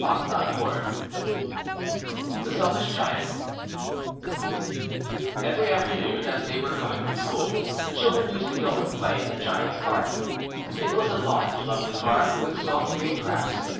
[Picture: The Selfish Giant] EVERY afternoon, as they were coming from school, the children used to go and play in the Giant's garden. It was a large lovely garden, with soft green grass.